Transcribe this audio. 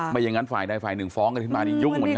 อย่างนั้นฝ่ายใดฝ่ายหนึ่งฟ้องกันขึ้นมานี่ยุ่งเหมือนกัน